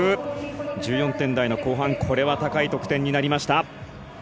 １４点台の後半これは高い得点になりました。